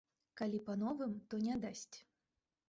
Калі па новым, то не дасць.